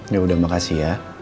yaudah makasih ya